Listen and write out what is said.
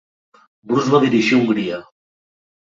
Bru es va dirigir a Hongria.